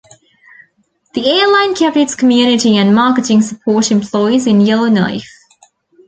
The airline kept its community and marketing support employees in Yellowknife.